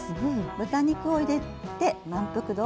豚肉を入れて満腹度をアップ。